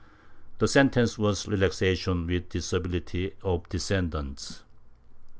The sentence was relaxation, with disabilities of descendants.